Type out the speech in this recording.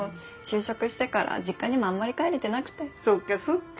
そっかそっか。